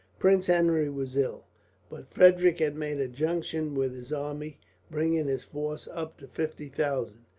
Prince Henry was ill, but Frederick had made a junction with his army, bringing his force up to fifty thousand.